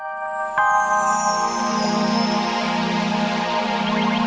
baru kita pulang